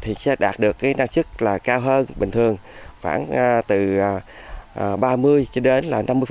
thì sẽ đạt được năng chức cao hơn bình thường khoảng từ ba mươi cho đến năm mươi